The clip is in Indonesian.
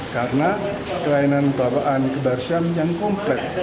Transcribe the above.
karena kelainan bawaan kembar siam yang komplek